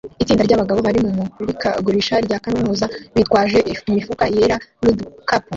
Itsinda ryabagabo bari mumurikagurisha rya kaminuza bitwaje imifuka yera nudukapu